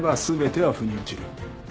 全ては腑に落ちる。